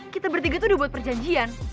kita bertiga tuh udah buat perjanjian